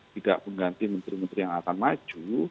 tidak mengganti menteri menteri yang akan maju